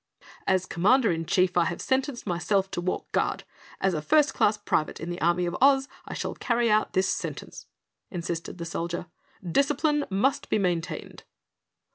"As Commander in Chief, I have sentenced myself to walk guard. As a first class Private in the Army of Oz, I shall carry out this sentence," insisted the Soldier. "Discipline must be maintained!"